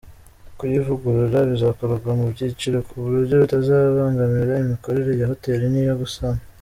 Kuyivugurura bizakorwa mu byiciro ku buryo bitazabangamira imikorere ya hotel n’iyo gusana.